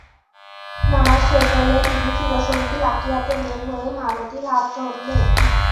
নামাজ শেষ করে তিনি চিরসঙ্গী লাঠি হাতে বের হয়ে মালতীর হাত ধরলেন।